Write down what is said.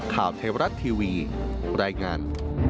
ข่าวไทยรัฐทีวีรายงาน